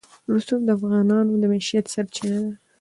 رسوب د افغانانو د معیشت سرچینه ده.